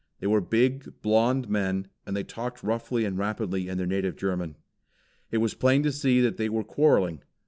They were big, blonde men, and they talked roughly and rapidly in their native German. It was plain to see that they were quarreling.